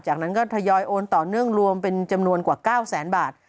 จากนั้นก็ทยอยโอนต่อเนื่องรวมเป็นจำนวนกว่า๙แสนบาท